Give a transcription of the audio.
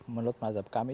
menurut mazhab kami